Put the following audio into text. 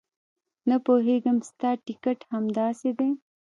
نه پوهېږم ستا ټیکټ همداسې دی.